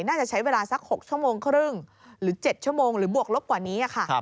น่าจะใช้เวลาสัก๖ชั่วโมงครึ่งหรือ๗ชั่วโมงหรือบวกลบกว่านี้ค่ะ